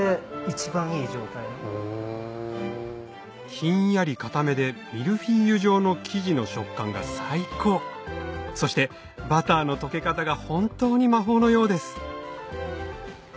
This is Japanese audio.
ひんやり硬めでミルフィーユ状の生地の食感が最高そしてバターの溶け方が本当に魔法のようです